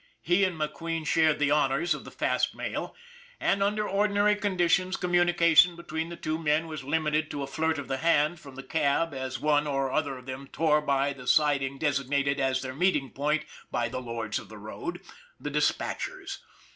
He and McQueen shared the honors of the fast mail, and under or dinary conditions communication between the two men was limited to a flirt of the hand from the cab as one or other of them tore by the siding designated as their meeting point by the lords of the road, the dispatchers.